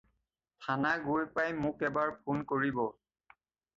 থানা গৈ পাই মোক এবাৰ ফোন কৰিব।